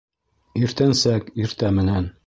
Иртәнсәк, иртә менән